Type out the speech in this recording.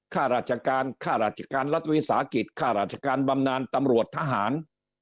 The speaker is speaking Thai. ข้าราชการค่าราชการรัฐวิสาหกิจค่าราชการบำนานตำรวจทหาร